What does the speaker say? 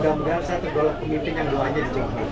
mudah mudahan saya tergolong pemimpin yang doanya di sini